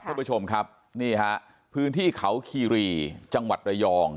ท่านผู้ชมครับนี่ฮะพื้นที่เขาคีรีจังหวัดระยอง